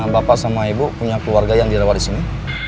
bapak sama ibu punya keluarga yang dirawat disini